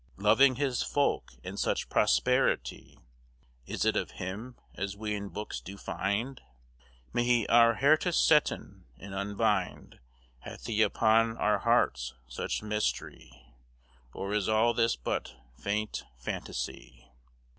Loving his folke, and such prosperitee, Is it of him, as we in books do find; May he oure hertes setten* and unbynd: Hath he upon oure hertes such maistrye? Or is all this but feynit fantasye?